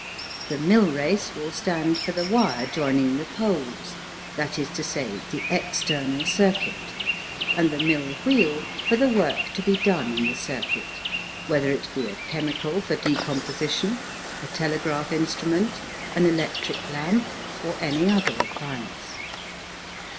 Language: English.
The mill race will stand for the wire joining the poles, that is to say, the external circuit, and the mill wheel for the work to be done in the circuit, whether it be a chemical for decomposition, a telegraph instrument, an electric lamp, or any other appliance.